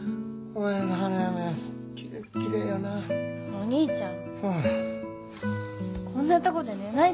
お兄ちゃん。